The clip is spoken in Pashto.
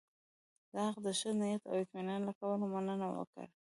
د هغه د ښه نیت او اطمینان له کبله مننه وکړي.